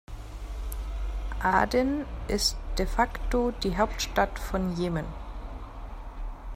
Aden ist de facto die Hauptstadt von Jemen.